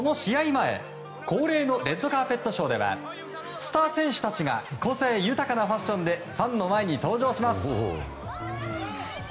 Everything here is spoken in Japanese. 前、恒例のレッドカーペットショーではスター選手たちが個性豊かなファッションでファンの前に登場します。